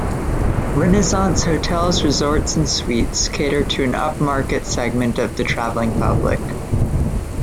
Renaissance Hotels, Resorts and Suites cater to an upmarket segment of the traveling public.